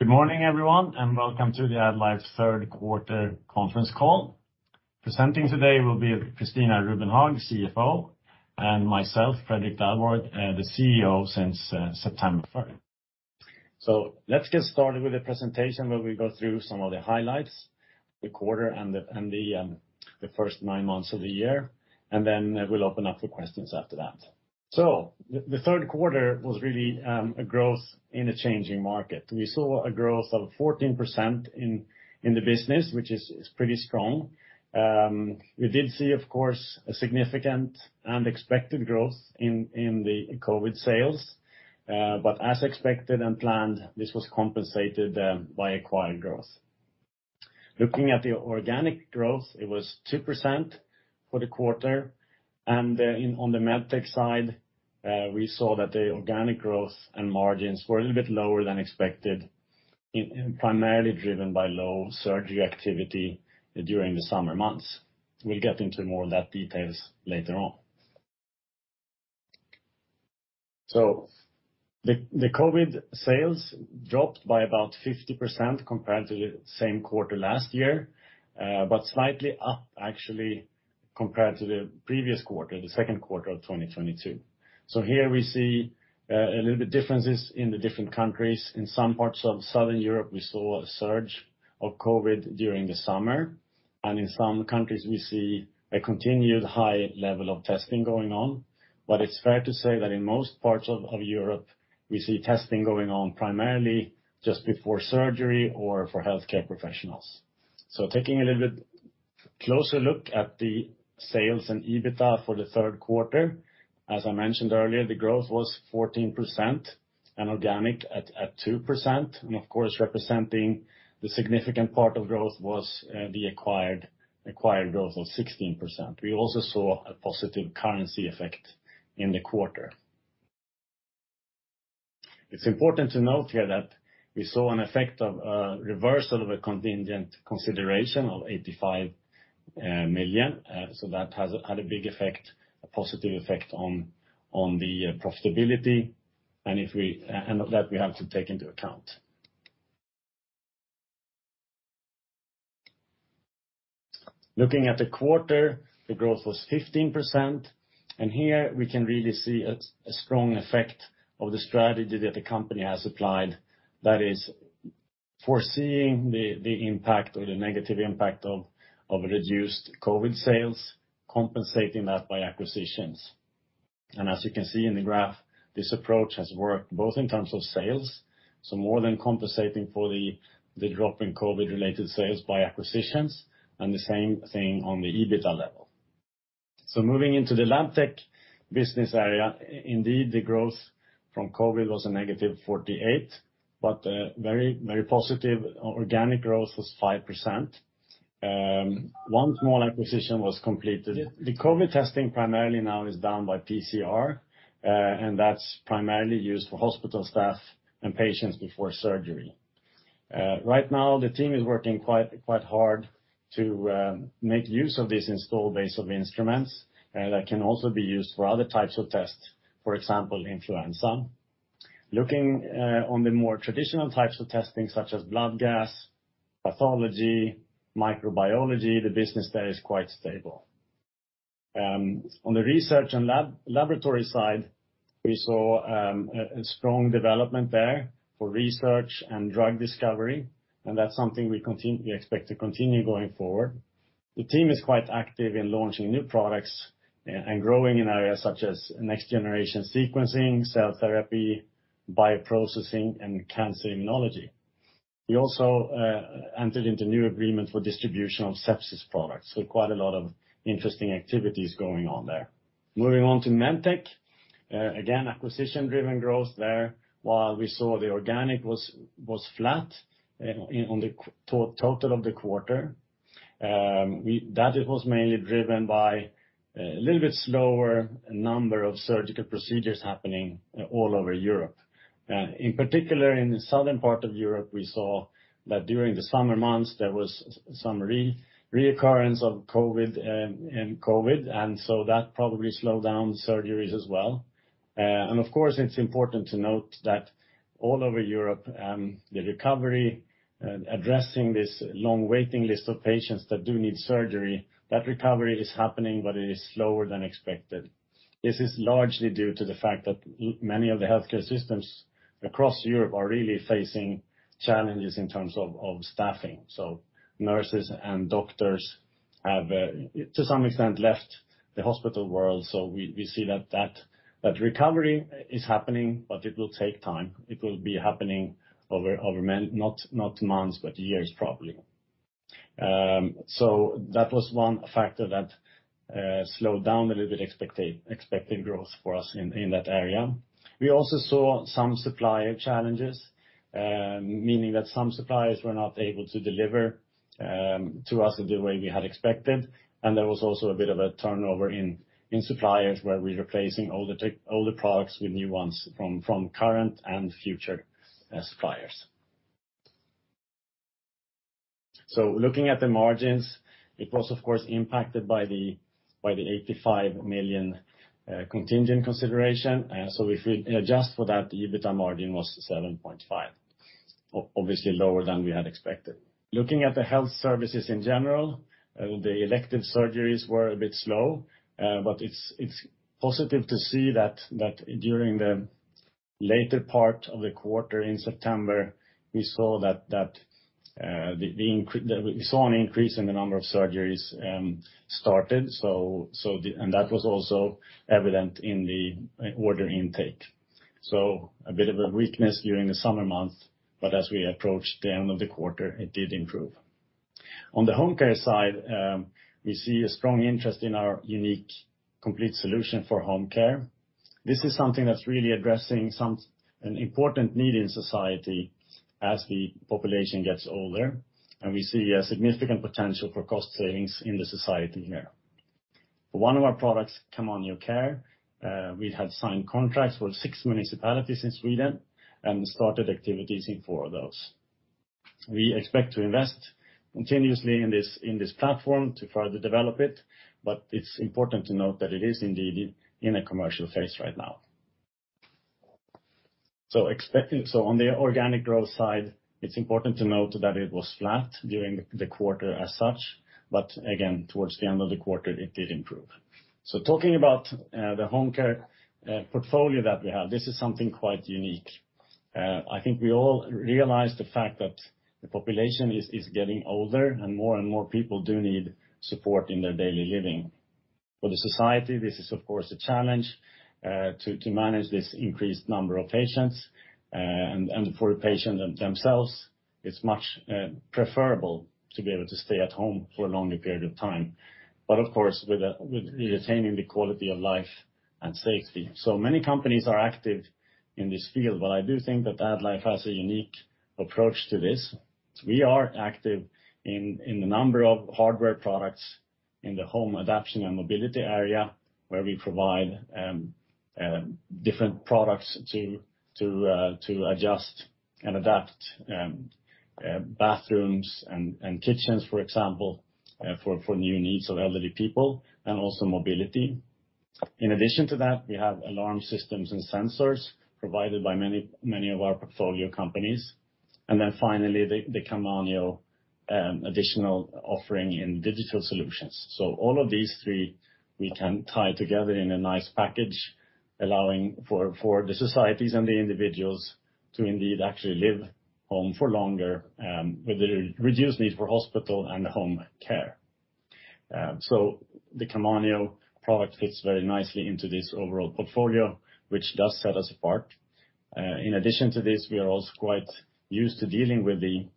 Good morning, everyone, and welcome to the AddLife's third quarter conference call. Presenting today will be Christina Rubehagen, CFO, and myself, Fredrik Dalborg, the CEO since September first. Let's get started with the presentation, where we go through some of the highlights, the quarter and the first nine months of the year, and then we'll open up for questions after that. The third quarter was really a growth in a changing market. We saw a growth of 14% in the business, which is pretty strong. We did see, of course, a significant and expected growth in the COVID sales. But as expected and planned, this was compensated by acquired growth. Looking at the organic growth, it was 2% for the quarter. On the Medtech side, we saw that the organic growth and margins were a little bit lower than expected, primarily driven by low surgery activity during the summer months. We'll get into more of that details later on. The COVID sales dropped by about 50% compared to the same quarter last year, but slightly up actually compared to the previous quarter, the second quarter of 2022. Here we see a little bit differences in the different countries. In some parts of Southern Europe, we saw a surge of COVID during the summer, and in some countries, we see a continued high level of testing going on. It's fair to say that in most parts of Europe, we see testing going on primarily just before surgery or for healthcare professionals. Taking a little bit closer look at the sales and EBITA for the third quarter. As I mentioned earlier, the growth was 14% and organic at 2%. Of course, representing the significant part of growth was the acquired growth of 16%. We also saw a positive currency effect in the quarter. It's important to note here that we saw an effect of a reversal of a contingent consideration of 85 million. That has had a big effect, a positive effect on the profitability. That we have to take into account. Looking at the quarter, the growth was 15%. Here we can really see a strong effect of the strategy that the company has applied. That is, foreseeing the impact or the negative impact of reduced COVID sales, compensating that by acquisitions. As you can see in the graph, this approach has worked both in terms of sales, so more than compensating for the drop in COVID-related sales by acquisitions and the same thing on the EBITA level. Moving into the Labtech business area, indeed, the growth from COVID was -48%, but very positive organic growth was 5%. One small acquisition was completed. The COVID testing primarily now is done by PCR, and that's primarily used for hospital staff and patients before surgery. Right now, the team is working quite hard to make use of this installed base of instruments that can also be used for other types of tests, for example, influenza. Looking on the more traditional types of testing, such as blood gas, pathology, microbiology, the business there is quite stable. On the research and laboratory side, we saw a strong development there for research and drug discovery, and that's something we expect to continue going forward. The team is quite active in launching new products and growing in areas such as next-generation sequencing, cell therapy, bioprocessing, and cancer immunology. We also entered into new agreements for distribution of sepsis products. Quite a lot of interesting activities going on there. Moving on to Medtech. Again, acquisition-driven growth there. While we saw the organic was flat in the total of the quarter, that it was mainly driven by a little bit slower number of surgical procedures happening all over Europe. In particular, in the Southern part of Europe, we saw that during the summer months, there was some reoccurrence of COVID, and so that probably slowed down surgeries as well. Of course, it's important to note that all over Europe, the recovery addressing this long waiting list of patients that do need surgery is happening, but it is slower than expected. This is largely due to the fact that many of the healthcare systems across Europe are really facing challenges in terms of staffing. Nurses and doctors have to some extent left the hospital world. We see that recovery is happening, but it will take time. It will be happening over not months, but years, probably. That was one factor that slowed down a little bit expected growth for us in that area. We also saw some supplier challenges, meaning that some suppliers were not able to deliver to us the way we had expected. There was also a bit of a turnover in suppliers, where we're replacing older products with new ones from current and future suppliers. Looking at the margins, it was of course impacted by the 85 million contingent consideration. If we adjust for that, the EBITA margin was 7.5%, obviously lower than we had expected. Looking at the health services in general, the elective surgeries were a bit slow. It's positive to see that during the later part of the quarter in September, we saw an increase in the number of surgeries started. That was also evident in the order intake. A bit of a weakness during the summer months, but as we approached the end of the quarter, it did improve. On the home care side, we see a strong interest in our unique complete solution for home care. This is something that's really addressing an important need in society as the population gets older, and we see a significant potential for cost savings in the society here. For one of our products, Camanio Care, we have signed contracts with six municipalities in Sweden and started activities in four of those. We expect to invest continuously in this platform to further develop it, but it's important to note that it is indeed in a commercial phase right now. On the organic growth side, it's important to note that it was flat during the quarter as such, but again, towards the end of the quarter, it did improve. Talking about the home care portfolio that we have, this is something quite unique. I think we all realize the fact that the population is getting older and more and more people do need support in their daily living. For the society, this is of course a challenge to manage this increased number of patients. And for the patient themselves, it's much preferable to be able to stay at home for a longer period of time. Of course, with retaining the quality of life and safety. Many companies are active in this field, but I do think that AddLife has a unique approach to this. We are active in a number of hardware products in the home adaption and mobility area, where we provide different products to adjust and adapt bathrooms and kitchens, for example, for new needs of elderly people and also mobility. In addition to that, we have alarm systems and sensors provided by many of our portfolio companies. Finally, the Camanio additional offering in digital solutions. All of these three, we can tie together in a nice package allowing for the societies and the individuals to indeed actually live home for longer, with a reduced need for hospital and home care. The Camanio product fits very nicely into this overall portfolio, which does set us apart. In addition to this, we are also quite used to dealing with the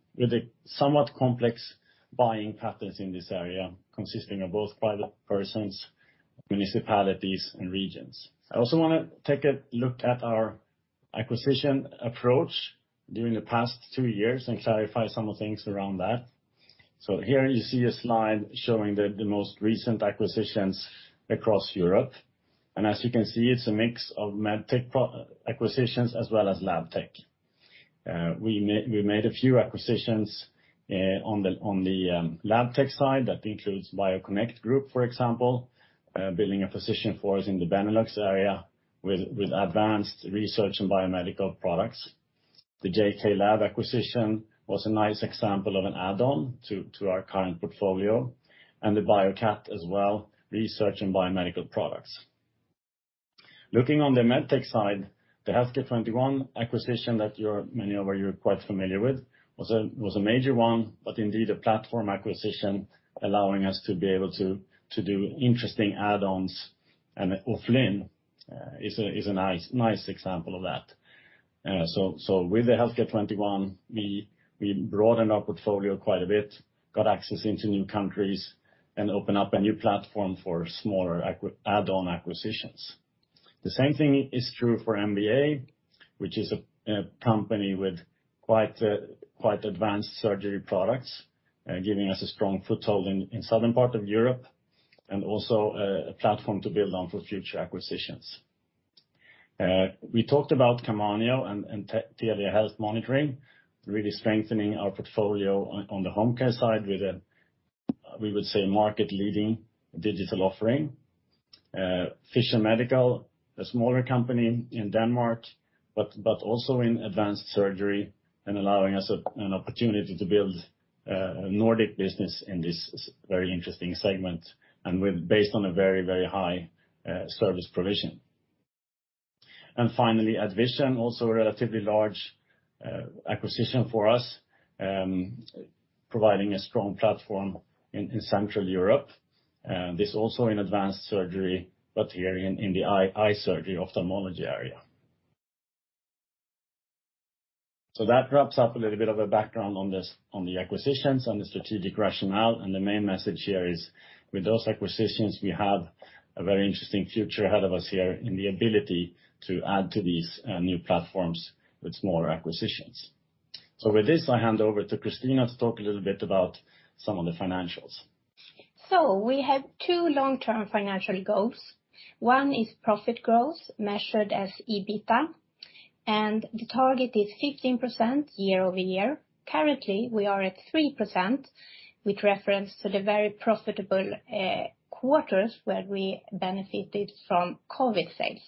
somewhat complex buying patterns in this area, consisting of both private persons, municipalities, and regions. I also wanna take a look at our acquisition approach during the past two years and clarify some of the things around that. Here you see a slide showing the most recent acquisitions across Europe. As you can see, it's a mix of Medtech acquisitions as well as Labtech. We made a few acquisitions on the Labtech side that includes Bio-Connect Group, for example, building a position for us in the Benelux area with advanced research and biomedical products. The JK Lab acquisition was a nice example of an add-on to our current portfolio, and the BioCat as well, research and biomedical products. Looking on the Medtech side, the Healthcare 21 acquisition that many of you are quite familiar with was a major one, but indeed a platform acquisition allowing us to be able to do interesting add-ons. O'Flynn is a nice example of that. With the Healthcare 21, we broadened our portfolio quite a bit, got access into new countries, and open up a new platform for smaller add-on acquisitions. The same thing is true for MBA, which is a company with quite advanced surgery products, giving us a strong foothold in southern part of Europe, and also a platform to build on for future acquisitions. We talked about Camanio and Telehealth Monitoring really strengthening our portfolio on the home care side with a we would say market-leading digital offering. Fischer Medical, a smaller company in Denmark, but also in advanced surgery and allowing us an opportunity to build a Nordic business in this very interesting segment and with based on a very high service provision. Finally, AddVision, also a relatively large acquisition for us, providing a strong platform in Central Europe. This also in advanced surgery, but here in the eye surgery, ophthalmology area. That wraps up a little bit of a background on this, on the acquisitions, on the strategic rationale. The main message here is with those acquisitions, we have a very interesting future ahead of us here in the ability to add to these, new platforms with more acquisitions. With this, I hand over to Christina to talk a little bit about some of the financials. We have two long-term financial goals. One is profit growth measured as EBITDA, and the target is 15% year-over-year. Currently, we are at 3% with reference to the very profitable quarters where we benefited from COVID sales.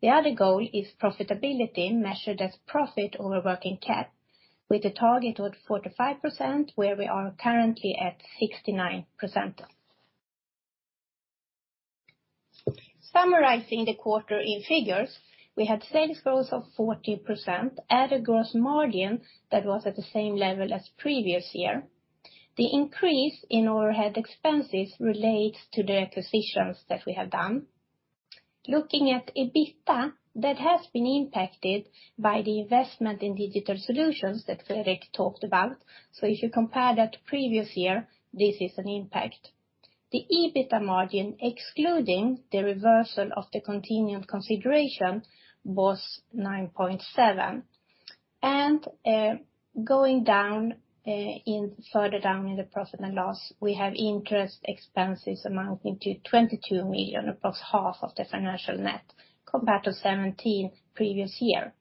The other goal is profitability measured as profit over working cap with a target of 45%, where we are currently at 69%. Summarizing the quarter in figures, we had sales growth of 40% at a gross margin that was at the same level as previous year. The increase in overhead expenses relates to the acquisitions that we have done. Looking at EBITDA, that has been impacted by the investment in digital solutions that Fredrik talked about. If you compare that to previous year, this is an impact. The EBITDA margin, excluding the reversal of the contingent consideration, was 9.7%. Going down further down in the profit and loss, we have interest expenses amounting to 22 million, approx half of the financial net compared to 17 previous year.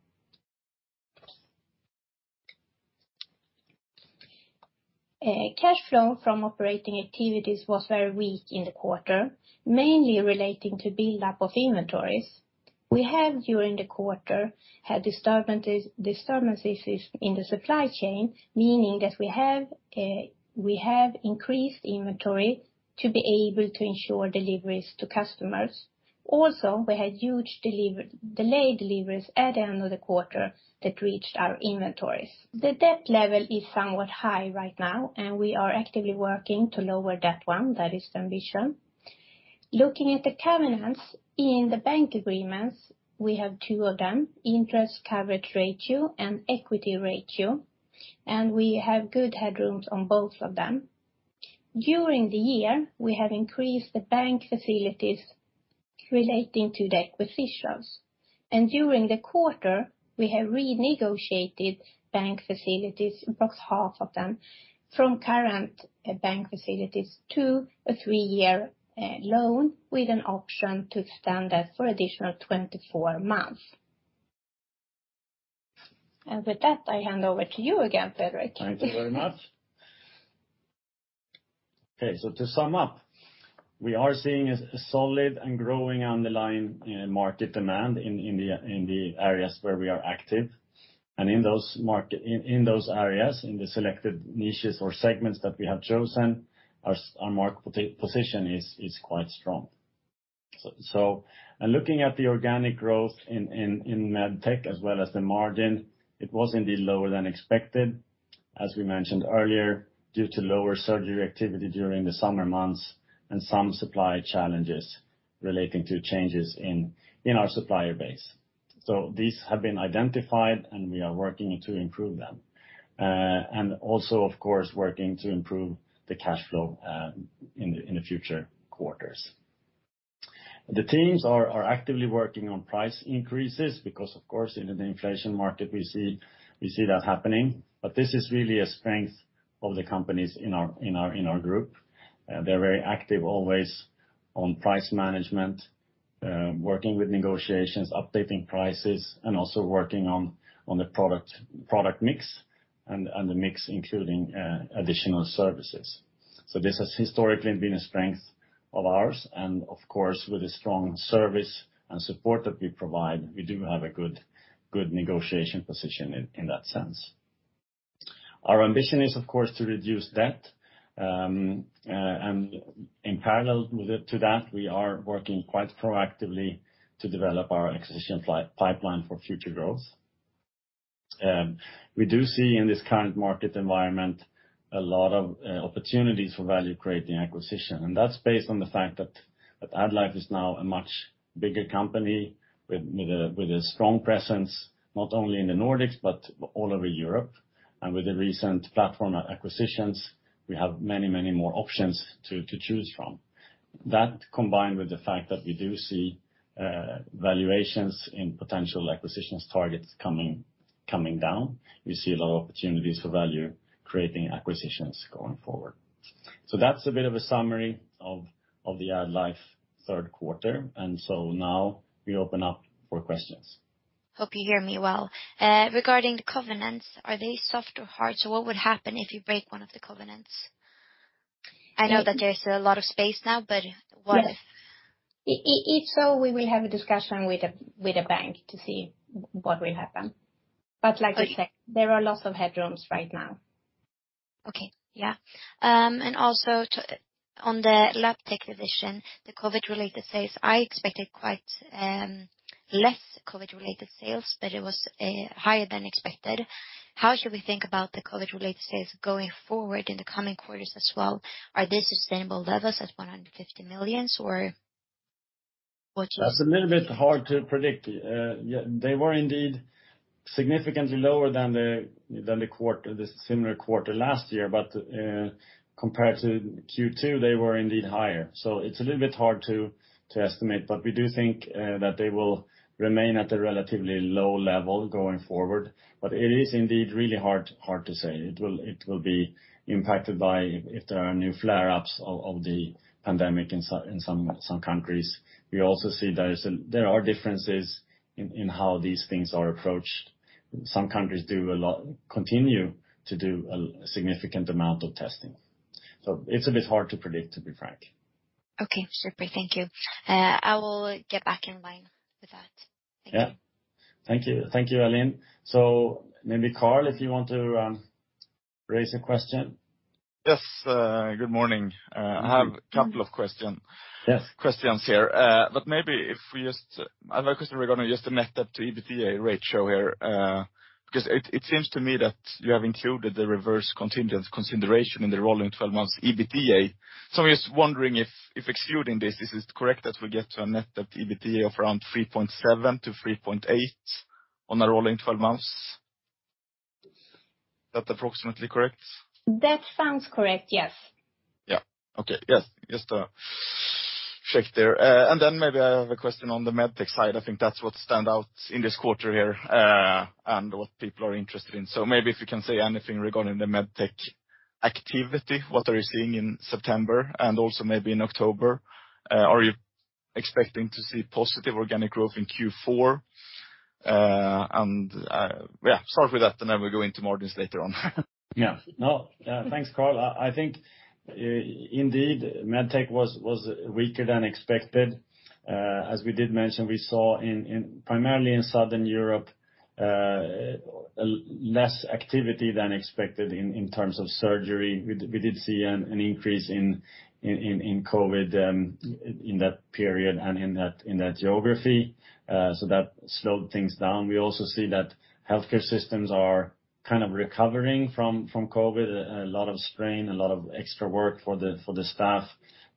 Cash flow from operating activities was very weak in the quarter, mainly relating to buildup of inventories. We have during the quarter had disturbances in the supply chain, meaning that we have increased inventory to be able to ensure deliveries to customers. Also, we had delayed deliveries at the end of the quarter that reached our inventories. The debt level is somewhat high right now, and we are actively working to lower that one. That is the ambition. Looking at the covenants in the bank agreements, we have two of them, interest coverage ratio and equity ratio, and we have good headrooms on both of them. During the year, we have increased the bank facilities relating to the acquisitions, and during the quarter we have renegotiated bank facilities, approx half of them, from current bank facilities to a three-year loan with an option to extend that for additional 24 months. With that, I hand over to you again, Fredrik. Thank you very much. Okay, to sum up, we are seeing a solid and growing underlying market demand in the areas where we are active. In those areas, in the selected niches or segments that we have chosen, our market position is quite strong. Looking at the organic growth in Medtech as well as the margin, it was indeed lower than expected, as we mentioned earlier, due to lower surgery activity during the summer months and some supply challenges relating to changes in our supplier base. These have been identified and we are working to improve them. We are also, of course, working to improve the cash flow in the future quarters. The teams are actively working on price increases because of course in an inflation market we see that happening. This is really a strength of the companies in our group. They're very active always on price management, working with negotiations, updating prices, and also working on the product mix and the mix including additional services. This has historically been a strength of ours and of course with a strong service and support that we provide, we do have a good negotiation position in that sense. Our ambition is of course to reduce debt, and in parallel to that, we are working quite proactively to develop our acquisition pipeline for future growth. We do see in this current market environment a lot of opportunities for value-creating acquisition, and that's based on the fact that AddLife is now a much bigger company with a strong presence, not only in the Nordics but all over Europe. With the recent platform acquisitions, we have many more options to choose from. That combined with the fact that we do see valuations in potential acquisitions targets coming down, we see a lot of opportunities for value-creating acquisitions going forward. That's a bit of a summary of the AddLife third quarter. Now we open up for questions. Hope you hear me well. Regarding the covenants, are they soft or hard? What would happen if you break one of the covenants? I know that there's a lot of space now, but what if? If so, we will have a discussion with a bank to see what will happen. Like you said, there are lots of headrooms right now. Okay. Yeah. On the Labtech division, the COVID related sales, I expected quite less COVID related sales, but it was higher than expected. How should we think about the COVID related sales going forward in the coming quarters as well? Are they sustainable levels at 150 million or what should- That's a little bit hard to predict. Yeah, they were indeed significantly lower than the quarter, the similar quarter last year, but compared to Q2, they were indeed higher. It's a little bit hard to estimate, but we do think that they will remain at a relatively low level going forward. It is indeed really hard to say. It will be impacted by if there are new flare-ups of the pandemic in some countries. We also see there are differences in how these things are approached. Some countries continue to do a significant amount of testing. It's a bit hard to predict, to be frank. Okay, super. Thank you. I will get back in line with that. Thank you. Yeah. Thank you. Thank you, Eileen. Maybe Carl, if you want to raise a question. Yes. Good morning. Mm. I have a couple of questions. Yes. I have a question regarding just the Net Debt/EBITDA ratio here, because it seems to me that you have included the reverse contingent consideration in the rolling twelve months EBITDA. I'm just wondering if excluding this, is it correct that we get to a Net Debt/EBITDA of around 3.7-3.8 on a rolling twelve months? Is that approximately correct? That sounds correct, yes. Yes. Just to check there, then maybe I have a question on the Medtech side. I think that's what stands out in this quarter here, and what people are interested in. Maybe if you can say anything regarding the Medtech activity. What are you seeing in September and also maybe in October? Are you expecting to see positive organic growth in Q4? Yeah, start with that, and then we'll go into margins later on. Yeah. No, thanks, Carl. I think indeed, Medtech was weaker than expected. As we did mention, we saw primarily in Southern Europe less activity than expected in terms of surgery. We did see an increase in COVID in that period and in that geography. So that slowed things down. We also see that healthcare systems are kind of recovering from COVID. A lot of strain, a lot of extra work for the staff,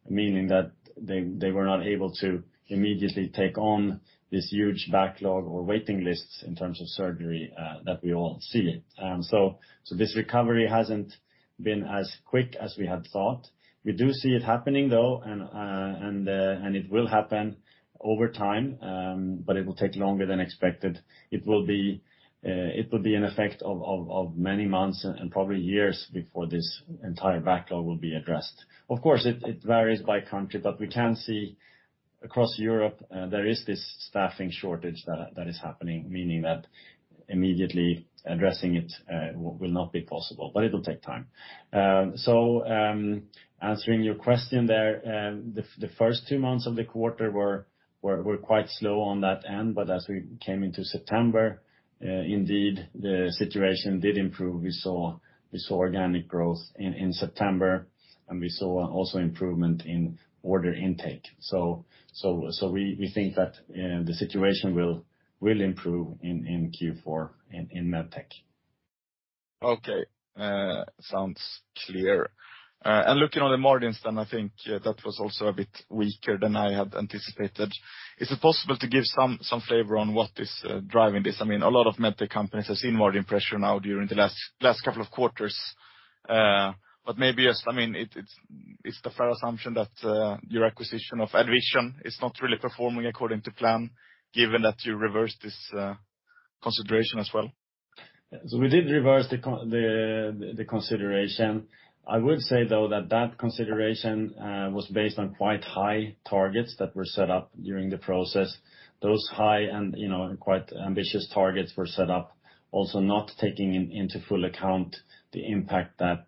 meaning that they were not able to immediately take on this huge backlog or waiting lists in terms of surgery that we all see. So this recovery hasn't been as quick as we had thought. We do see it happening, though, and it will happen over time, but it will take longer than expected. It will be an effect of many months and probably years before this entire backlog will be addressed. Of course, it varies by country, but we can see across Europe there is this staffing shortage that is happening, meaning that immediately addressing it will not be possible, but it will take time. Answering your question there, the first two months of the quarter were quite slow on that end, but as we came into September, indeed, the situation did improve. We saw organic growth in September, and we saw also improvement in order intake. We think that the situation will improve in Q4 in Medtech. Okay. Sounds clear. Looking on the margins then, I think that was also a bit weaker than I had anticipated. Is it possible to give some flavor on what is driving this? I mean, a lot of Medtech companies have seen margin pressure now during the last couple of quarters. Maybe, yes, I mean, it's the fair assumption that your acquisition of AddVision is not really performing according to plan, given that you reversed this consideration as well. We did reverse the contingent consideration. I would say, though, that consideration was based on quite high targets that were set up during the process. Those high and quite ambitious targets were set up also not taking into full account the impact that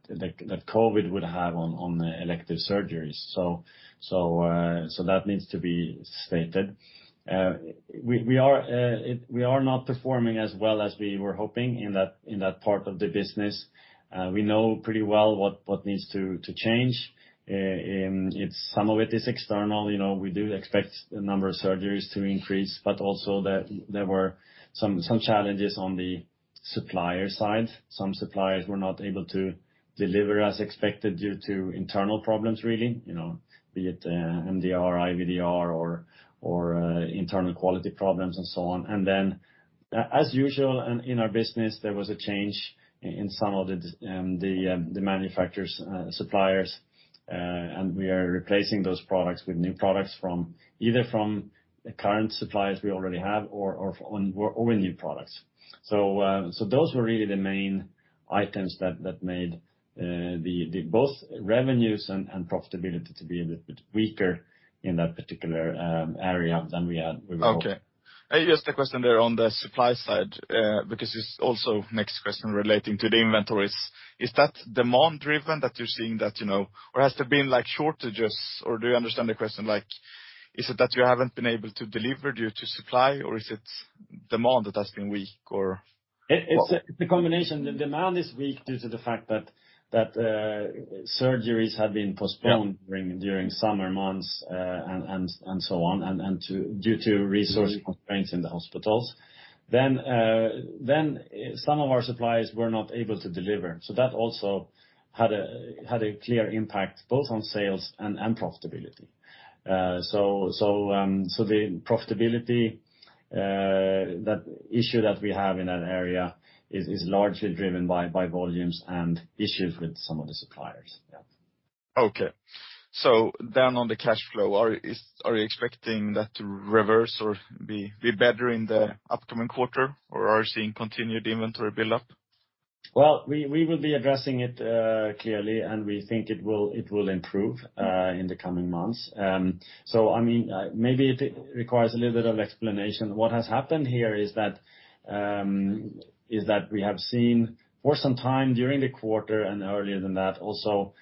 COVID would have on elective surgeries. That needs to be stated. We are not performing as well as we were hoping in that part of the business. We know pretty well what needs to change. Some of it is external. You know, we do expect the number of surgeries to increase, but also there were some challenges on the supplier side. Some suppliers were not able to deliver as expected due to internal problems, really be it MDR, IVDR or internal quality problems and so on. As usual in our business, there was a change in some of the manufacturers, suppliers, and we are replacing those products with new products from either the current suppliers we already have or new products. Those were really the main items that made both revenues and profitability to be a little bit weaker in that particular area than we were hoping. Okay. Just a question there on the supply side, because it's also next question relating to the inventories. Is that demand driven that you're seeing that, you know? Or has there been, like, shortages, or do you understand the question? Like, is it that you haven't been able to deliver due to supply, or is it demand that has been weak, or what? It's a combination. The demand is weak due to the fact that surgeries have been postponed. Yeah. During summer months due to resource constraints in the hospitals. Some of our suppliers were not able to deliver, so that also had a clear impact both on sales and profitability. The profitability issue that we have in that area is largely driven by volumes and issues with some of the suppliers. Okay. On the cash flow, are you expecting that to reverse or be better in the upcoming quarter, or are you seeing continued inventory buildup? Well, we will be addressing it clearly, and we think it will improve in the coming months. I mean, maybe it requires a little bit of explanation. What has happened here is that we have seen for some time during the quarter and earlier than that also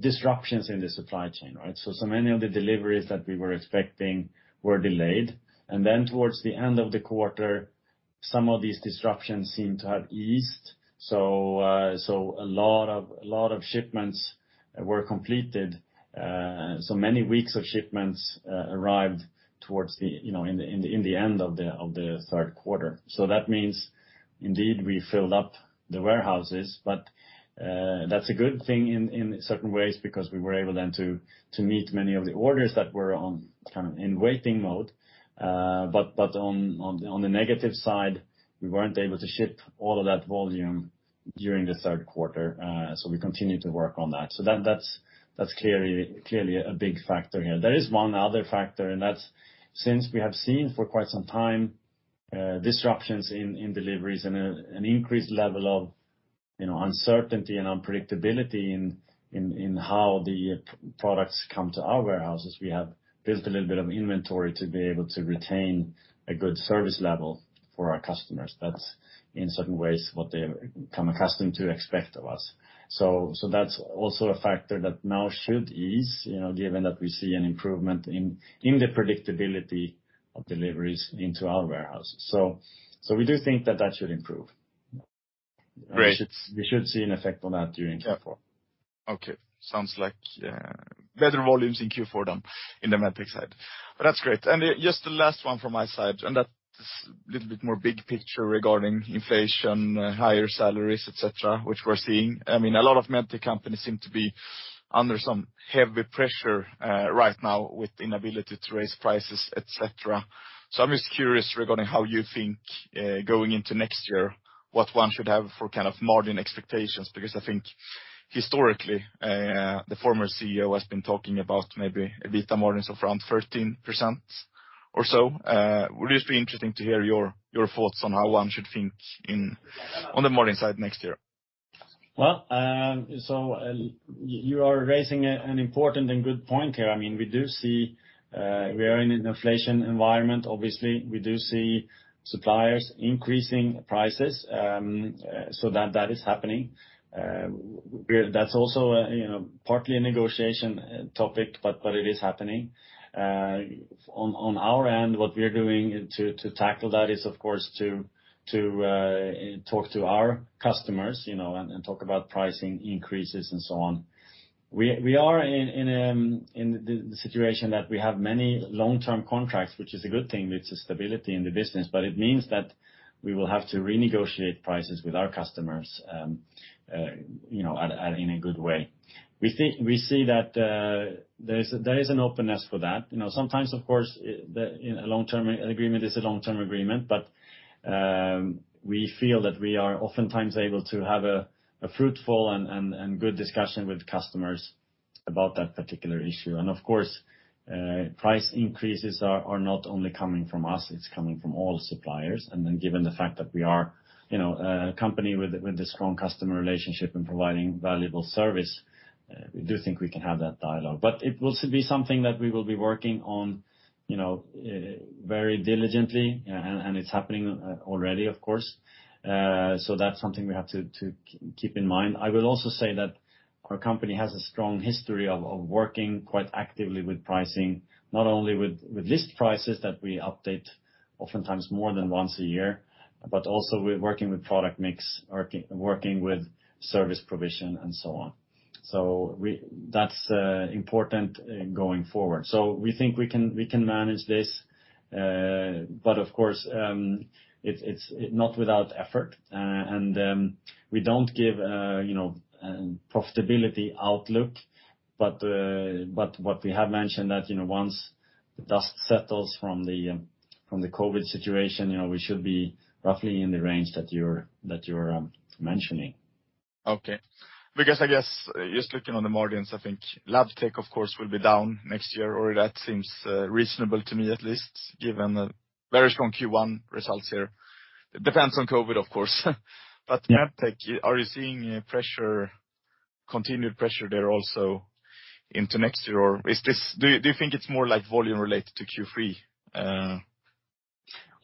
disruptions in the supply chain, right? Many of the deliveries that we were expecting were delayed. Then towards the end of the quarter, some of these disruptions seem to have eased. A lot of shipments were completed. Many weeks of shipments arrived towards the you know in the end of the third quarter. That means indeed we filled up the warehouses, but that's a good thing in certain ways because we were able then to meet many of the orders that were on, kind of in waiting mode. But on the negative side, we weren't able to ship all of that volume during the third quarter, so we continue to work on that. That's clearly a big factor here. There is one other factor, and that's since we have seen for quite some time, disruptions in deliveries and an increased level of uncertainty and unpredictability in how the products come to our warehouses, we have built a little bit of inventory to be able to retain a good service level for our customers. That's in certain ways what they've become accustomed to expect of us. That's also a factor that now should ease given that we see an improvement in the predictability of deliveries into our warehouse. We do think that that should improve. Great. We should see an effect on that during Q4. Okay. Sounds like better volumes in Q4 than in the Medtech side. That's great. Just the last one from my side, and that's a little bit more big picture regarding inflation, higher salaries, et cetera, which we're seeing. I mean, a lot of Medtech companies seem to be under some heavy pressure right now with inability to raise prices, et cetera. I'm just curious regarding how you think going into next year, what one should have for kind of margin expectations. Because I think historically the former CEO has been talking about maybe EBITDA margins of around 13% or so. Would just be interesting to hear your thoughts on how one should think on the margin side next year. Well, you are raising an important and good point here. I mean, we do see, we are in an inflation environment. Obviously, we do see suppliers increasing prices, so that is happening. That's also partly a negotiation topic, but it is happening. On our end, what we are doing to tackle that is of course to talk to our customers and talk about pricing increases and so on. We are in the situation that we have many long-term contracts, which is a good thing. It's a stability in the business, but it means that we will have to renegotiate prices with our customers in a good way. We see that there is an openness for that. You know, sometimes of course, a long-term agreement is a long-term agreement, but we feel that we are oftentimes able to have a fruitful and good discussion with customers about that particular issue. Of course, price increases are not only coming from us, it's coming from all suppliers. Given the fact that we are a company with a strong customer relationship and providing valuable service, we do think we can have that dialogue. It will be something that we will be working on very diligently, and it's happening already, of course. That's something we have to keep in mind. I will also say that our company has a strong history of working quite actively with pricing, not only with list prices that we update oftentimes more than once a year, but also with working with product mix, working with service provision, and so on. That's important going forward. We think we can manage this, but of course, it's not without effort, and we don't give profitability outlook. But what we have mentioned that once the dust settles from the COVID situation we should be roughly in the range that you're mentioning. Okay. Because I guess just looking on the margins, I think Labtech, of course, will be down next year, or that seems reasonable to me at least, given a very strong Q1 results here. Depends on COVID, of course. Medtech, are you seeing a pressure, continued pressure there also into next year? Or do you think it's more like volume related to Q3?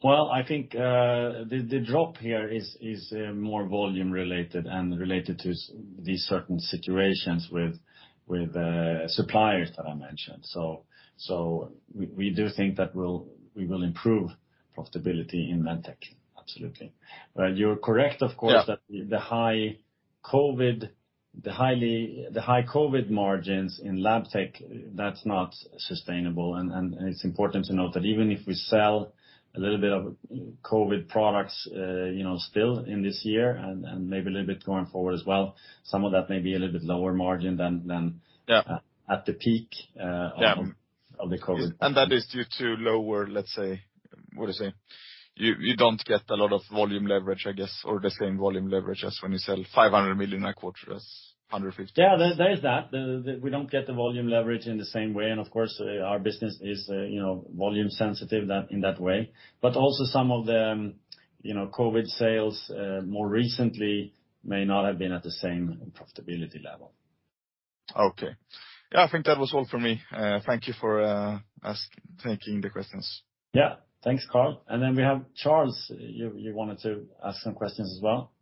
Well, I think the drop here is more volume related and related to these certain situations with suppliers that I mentioned. We do think that we will improve profitability in Medtech, absolutely. You're correct, of course. Yeah that the high COVID margins in Labtech, that's not sustainable. It's important to note that even if we sell a little bit of COVID products still in this year and maybe a little bit going forward as well, some of that may be a little bit lower margin than. Yeah At the peak. Yeah of the COVID. that is due to lower, let's say, what do you say? You don't get a lot of volume leverage, I guess, or the same volume leverage as when you sell 500 million a quarter as a 150. Yeah. There is that. We don't get the volume leverage in the same way. Of course, our business is volume sensitive in that way. Also some of the COVID sales more recently may not have been at the same profitability level. Okay. Yeah, I think that was all for me. Thank you for taking the questions. Yeah. Thanks, Carl. We have Charles. You wanted to ask some questions as well.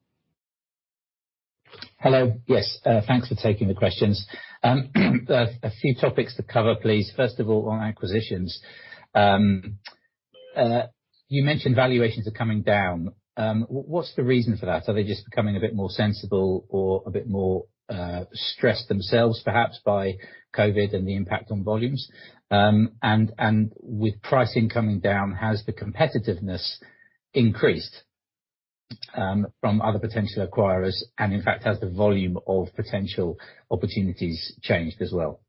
Hello. Yes. Thanks for taking the questions. A few topics to cover, please. First of all, on acquisitions. You mentioned valuations are coming down. What's the reason for that? Are they just becoming a bit more sensible or a bit more stressed themselves, perhaps by COVID and the impact on volumes? With pricing coming down, has the competitiveness increased from other potential acquirers? In fact, has the volume of potential opportunities changed as well?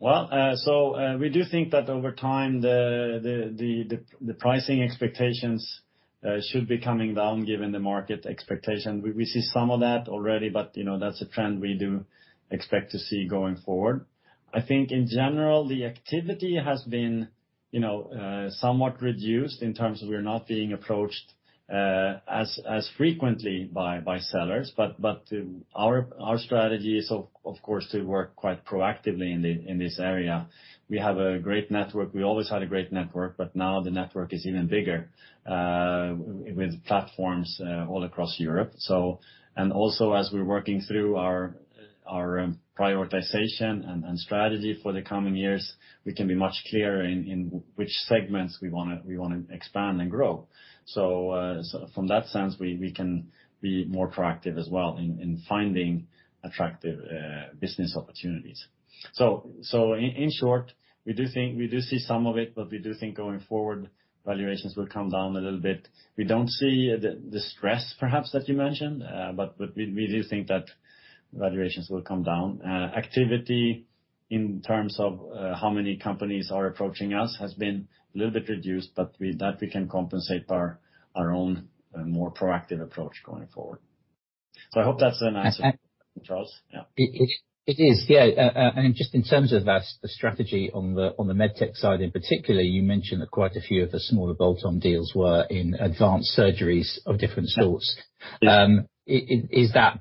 We do think that over time, the pricing expectations should be coming down given the market expectation. We see some of that already, but you know, that's a trend we do expect to see going forward. I think in general, the activity has been you know somewhat reduced in terms of we're not being approached as frequently by sellers. But our strategy is of course to work quite proactively in this area. We have a great network. We always had a great network, but now the network is even bigger with platforms all across Europe. As we're working through our prioritization and strategy for the coming years, we can be much clearer in which segments we wanna expand and grow. From that sense, we can be more proactive as well in finding attractive business opportunities. In short, we do think we do see some of it, but we do think going forward, valuations will come down a little bit. We don't see the stress perhaps that you mentioned, but we do think that valuations will come down. Activity in terms of how many companies are approaching us has been a little bit reduced, but with that we can compensate our own more proactive approach going forward. I hope that's nice, Charles. Yeah. It is. Yeah, just in terms of that, the strategy on the Medtech side in particular, you mentioned that quite a few of the smaller bolt-on deals were in advanced surgeries of different sorts. Yeah. Is that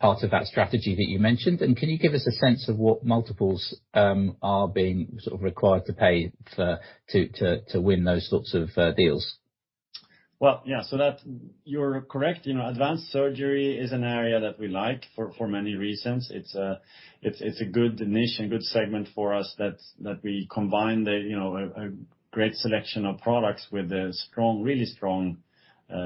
part of that strategy that you mentioned? Can you give us a sense of what multiples are being sort of required to pay for to win those sorts of deals? You're correct. You know, advanced surgery is an area that we like for many reasons. It's a good niche and good segment for us that we combine you know, a great selection of products with a strong, really strong,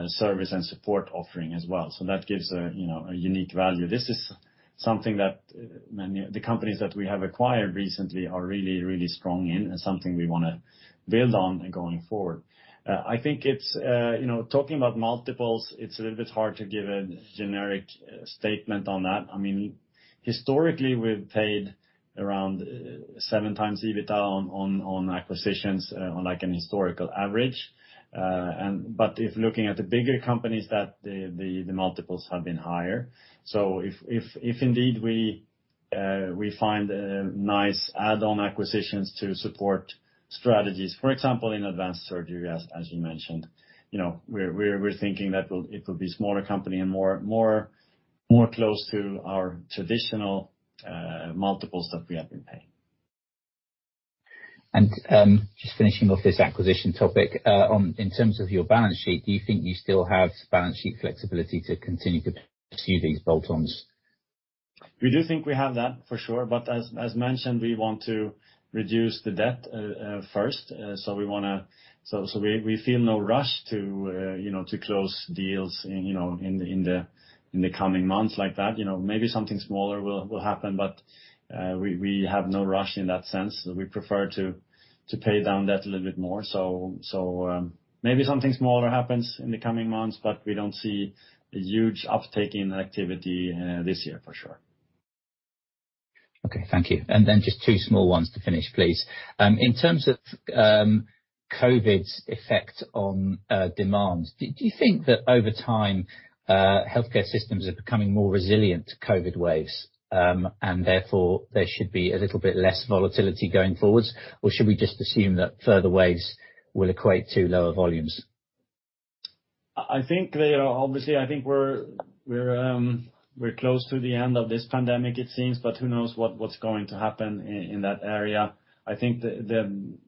service and support offering as well. That gives you know, a unique value. This is something that the companies that we have acquired recently are really strong in and something we wanna build on going forward. I think it's you know, talking about multiples, it's a little bit hard to give a generic statement on that. I mean, historically, we've paid around 7x EBITDA on acquisitions, on like an historical average. If looking at the bigger companies that the multiples have been higher. If indeed we find a nice add-on acquisitions to support strategies, for example, in advanced surgery, as you mentioned we're thinking that it will be smaller company and more close to our traditional multiples that we have been paying. Just finishing off this acquisition topic. In terms of your balance sheet, do you think you still have balance sheet flexibility to continue to pursue these bolt-ons? We do think we have that, for sure. As mentioned, we want to reduce the debt first. We feel no rush to you know to close deals you know in the coming months like that. You know, maybe something smaller will happen, but we have no rush in that sense. We prefer to pay down debt a little bit more. Maybe something smaller happens in the coming months, but we don't see a huge uptake in activity this year for sure. Okay, thank you. Just two small ones to finish, please. In terms of COVID's effect on demand, do you think that over time healthcare systems are becoming more resilient to COVID waves, and therefore there should be a little bit less volatility going forward? Or should we just assume that further waves will equate to lower volumes? I think they are. Obviously, I think we're close to the end of this pandemic, it seems, but who knows what's going to happen in that area. I think the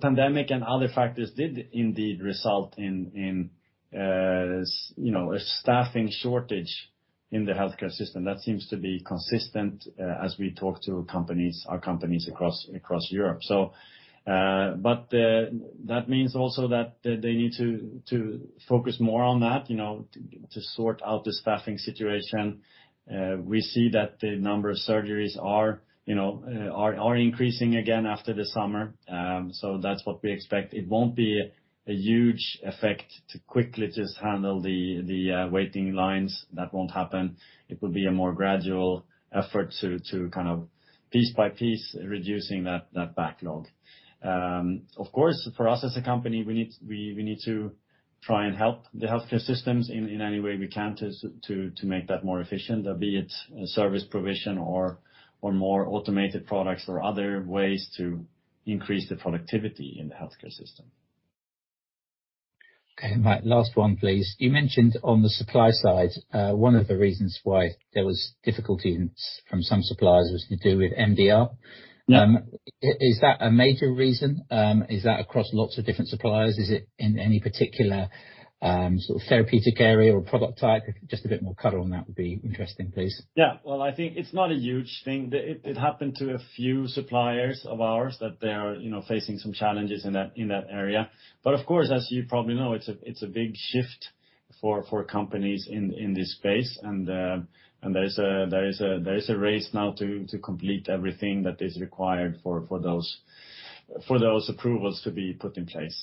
pandemic and other factors did indeed result in you know, a staffing shortage in the healthcare system. That seems to be consistent as we talk to companies, our companies across Europe. But that means also that they need to focus more on that to sort out the staffing situation. We see that the number of surgeries are increasing again after the summer. That's what we expect. It won't be a huge effect to quickly just handle the waiting lines. That won't happen. It will be a more gradual effort to kind of piece by piece reducing that backlog. Of course, for us as a company, we need to try and help the healthcare systems in any way we can to make that more efficient, be it service provision or more automated products or other ways to increase the productivity in the healthcare system. Okay. My last one, please. You mentioned on the supply side, one of the reasons why there was difficulty in sourcing from some suppliers was to do with MDR. Yeah. Is that a major reason? Is that across lots of different suppliers? Is it in any particular sort of therapeutic area or product type? Just a bit more color on that would be interesting, please. Yeah. Well, I think it's not a huge thing. It happened to a few suppliers of ours that they are facing some challenges in that area. Of course, as you probably know, it's a big shift for companies in this space. There is a race now to complete everything that is required for those approvals to be put in place.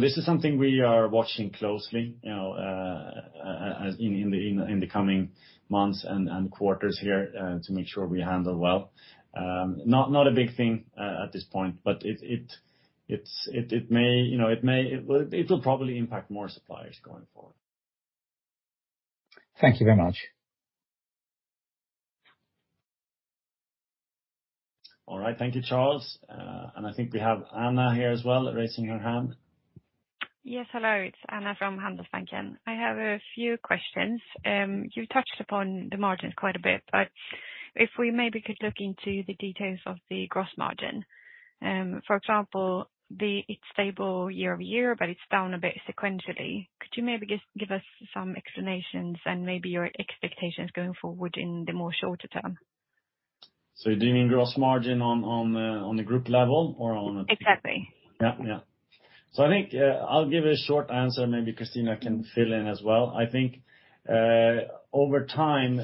This is something we are watching closely in the coming months and quarters here to make sure we handle well. Not a big thing at this point, but it may, you know. It will probably impact more suppliers going forward. Thank you very much. All right. Thank you, Charles. I think we have Anna here as well raising her hand. Yes. Hello, it's Anna from Handelsbanken. I have a few questions. You touched upon the margins quite a bit, but if we maybe could look into the details of the gross margin. For example, it's stable year over year, but it's down a bit sequentially. Could you maybe just give us some explanations and maybe your expectations going forward in the more shorter term? Do you mean gross margin on the group level or on- Exactly. Yeah. Yeah. I think I'll give a short answer. Maybe Kristina can fill in as well. I think over time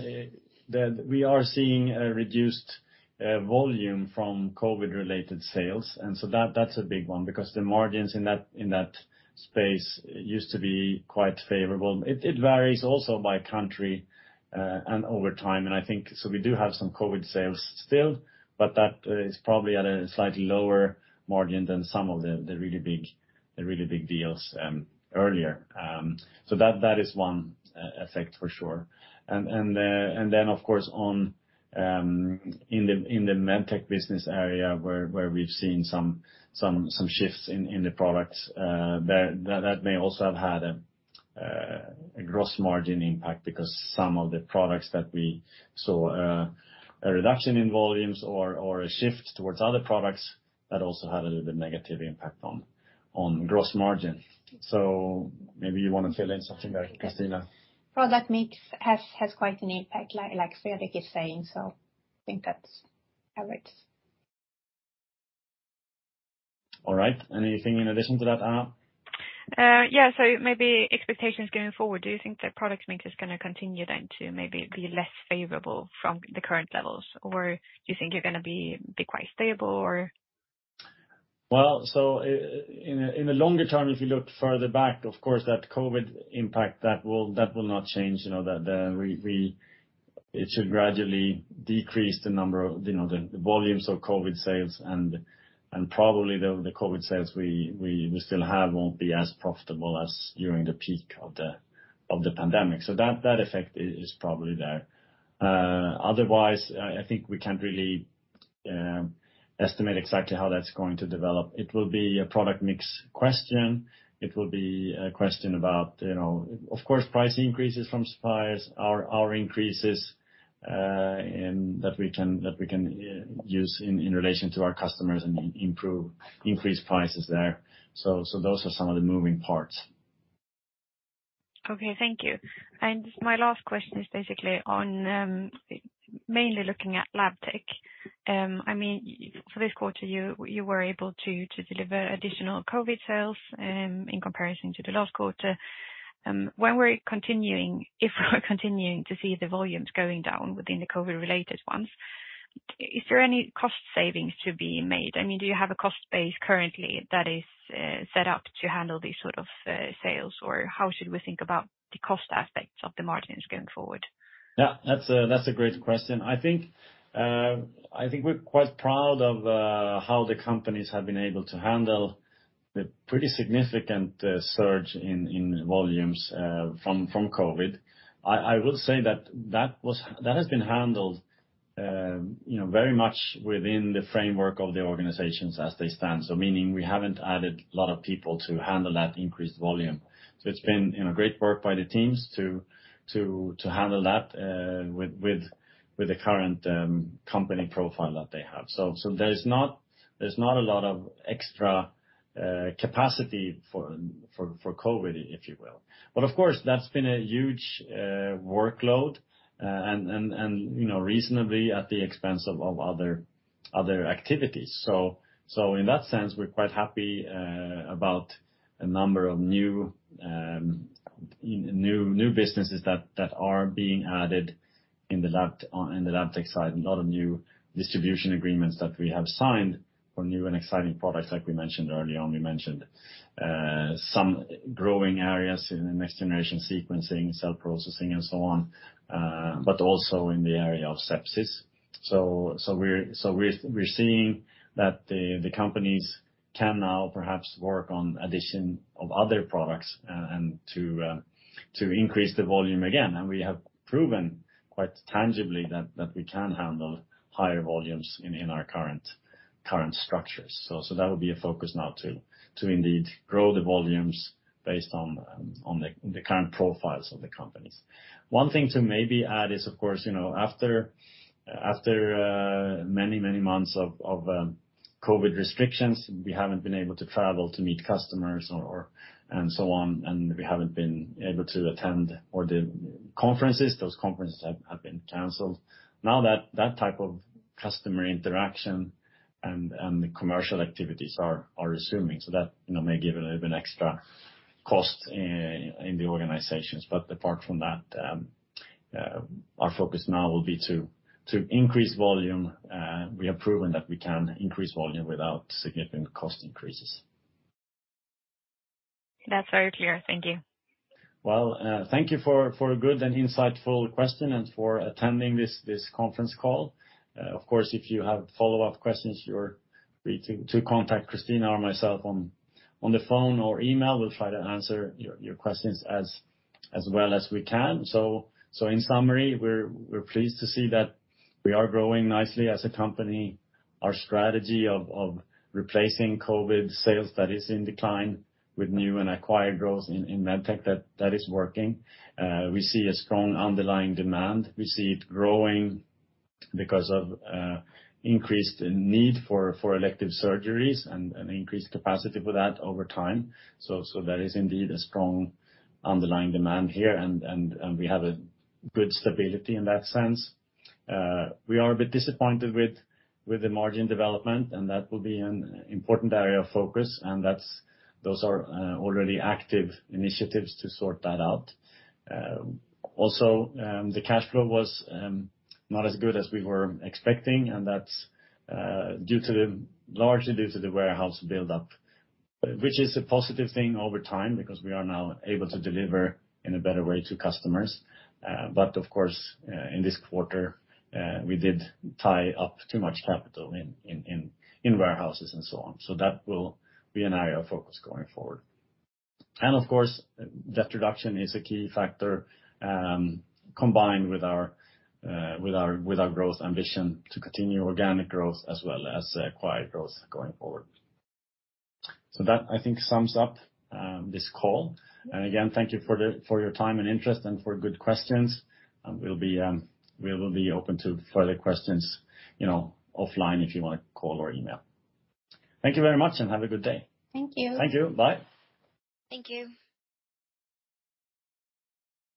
we are seeing a reduced volume from COVID related sales, and that's a big one because the margins in that space used to be quite favorable. It varies also by country and over time. I think we do have some COVID sales still, but that is probably at a slightly lower margin than some of the really big deals earlier. That is one effect for sure. Of course in the Medtech business area where we've seen some shifts in the products that may also have had a gross margin impact because some of the products that we saw a reduction in volumes or a shift towards other products that also had a little bit negative impact on gross margin. Maybe you want to fill in something there, Christina. Product mix has quite an impact like Fredrik is saying. I think that's how it's. All right. Anything in addition to that, Anna? Yeah. Maybe expectations going forward. Do you think the product mix is gonna continue then to maybe be less favorable from the current levels, or do you think you're gonna be quite stable or? In the longer term, if you look further back, of course, that COVID impact will not change. You know, it should gradually decrease the number of the volumes of COVID sales. And probably the COVID sales we still have won't be as profitable as during the peak of the pandemic. That effect is probably there. Otherwise, I think we can't really estimate exactly how that's going to develop. It will be a product mix question. It will be a question about of course, price increases from suppliers, our increases, and that we can use in relation to our customers and improved increased prices there. Those are some of the moving parts. Okay. Thank you. My last question is basically on, mainly looking at Labtech. I mean, for this quarter, you were able to deliver additional COVID sales, in comparison to the last quarter. If we're continuing to see the volumes going down within the COVID related ones, is there any cost savings to be made? I mean, do you have a cost base currently that is set up to handle these sort of sales, or how should we think about the cost aspects of the margins going forward? Yeah, that's a great question. I think we're quite proud of how the companies have been able to handle the pretty significant surge in volumes from COVID. I will say that has been handled very much within the framework of the organizations as they stand. Meaning we haven't added a lot of people to handle that increased volume. It's been great work by the teams to handle that with the current company profile that they have. There's not a lot of extra capacity for COVID, if you will. Of course, that's been a huge workload and reasonably at the expense of other activities. In that sense, we're quite happy about a number of new businesses that are being added in the Labtech side, a lot of new distribution agreements that we have signed for new and exciting products like we mentioned earlier on. We mentioned some growing areas in the Next-Generation Sequencing, cell processing and so on, but also in the area of sepsis. We're seeing that the companies can now perhaps work on addition of other products and to increase the volume again. We have proven quite tangibly that we can handle higher volumes in our current structures. That would be a focus now to indeed grow the volumes based on the current profiles of the companies. One thing to maybe add is, of course after many months of COVID restrictions, we haven't been able to travel to meet customers or and so on, and we haven't been able to attend all the conferences. Those conferences have been canceled. Now that type of customer interaction and commercial activities are resuming, so that may give a little bit extra cost in the organizations. Apart from that, our focus now will be to increase volume. We have proven that we can increase volume without significant cost increases. That's very clear. Thank you. Thank you for a good and insightful question and for attending this conference call. Of course, if you have follow-up questions, you're free to contact Christina or myself on the phone or email. We'll try to answer your questions as well as we can. In summary, we're pleased to see that we are growing nicely as a company. Our strategy of replacing COVID sales that is in decline with new and acquired growth in Medtech, that is working. We see a strong underlying demand. We see it growing because of increased need for elective surgeries and an increased capacity for that over time. There is indeed a strong underlying demand here, and we have a good stability in that sense. We are a bit disappointed with the margin development, and that will be an important area of focus, and those are already active initiatives to sort that out. The cash flow was not as good as we were expecting, and that's largely due to the warehouse buildup, which is a positive thing over time because we are now able to deliver in a better way to customers. In this quarter, we did tie up too much capital in warehouses and so on. That will be an area of focus going forward. Debt reduction is a key factor combined with our growth ambition to continue organic growth as well as acquired growth going forward. That, I think, sums up this call. Again, thank you for your time and interest and for good questions. We will be open to further questions offline if you want to call or email. Thank you very much and have a good day. Thank you. Thank you. Bye. Thank you.